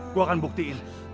gue akan buktiin